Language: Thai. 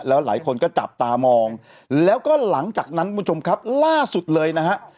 แล้วหลายคนก็จับตามองแล้วก็หลังจากนั้นคุณผู้ชมครับล่าสุดเลยนะฮะ